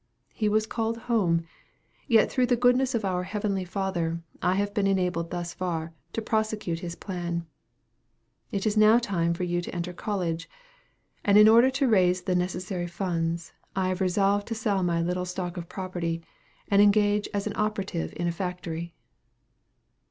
He was called home; yet through the goodness of our Heavenly Father, I have been enabled thus far to prosecute his plan. It is now time for you to enter college, and in order to raise the necessary funds, I have resolved to sell my little stock of property, and engage as an operative in a factory."